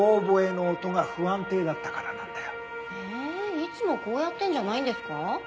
いつもこうやってるんじゃないんですか。